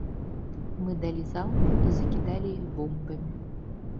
Мы далі залп і закідалі іх бомбамі.